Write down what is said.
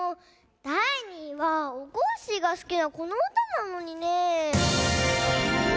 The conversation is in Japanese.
だい２いはおこっしぃがすきなこのうたなのにねえ。